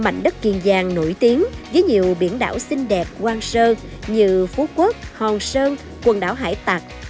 mảnh đất kiên giang nổi tiếng với nhiều biển đảo xinh đẹp quang sơ như phú quốc hòn sơn quần đảo hải tạc